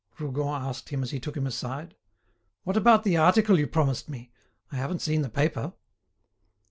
Rougon asked him as he took him aside, "what about the article you promised me? I haven't seen the paper."